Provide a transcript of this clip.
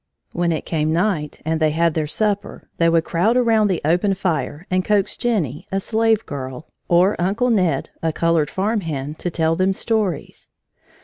When it came night and they had had their supper, they would crowd around the open fire and coax Jennie, a slave girl, or Uncle Ned, a colored farm hand, to tell them stories.